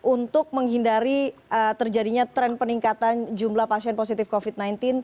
untuk menghindari terjadinya tren peningkatan jumlah pasien positif covid sembilan belas